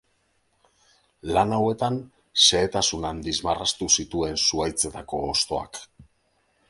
Lan hauetan xehetasun handiz marraztu zituen zuhaitzetako hostoak.